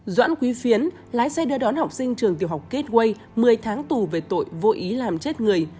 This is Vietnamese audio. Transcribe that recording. doãn quý phiến lái xe đưa đón học sinh trường tiểu học kết quây một mươi tháng tù về tội vô ý làm chết người